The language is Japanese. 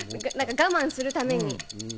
我慢するために。